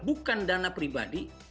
bukan dana pribadi